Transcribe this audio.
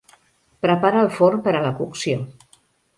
Prepara el forn per a la cocció.